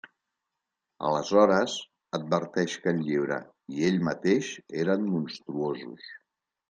Aleshores, adverteix que el llibre -i ell mateix- eren monstruosos.